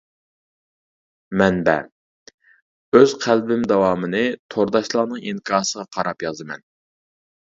مەنبە:ئۆز قەلبىم داۋامىنى تورداشلارنىڭ ئىنكاسىغا قاراپ يازىمەن.